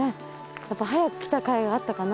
やっぱ早く来たかいがあったかな。